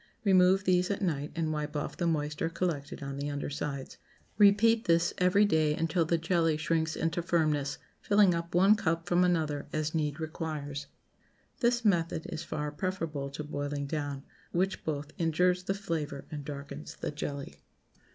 Remove these at night and wipe off the moisture collected on the under sides. Repeat this every day until the jelly shrinks into firmness, filling up one cup from another as need requires. This method is far preferable to boiling down, which both injures the flavor and darkens the jelly.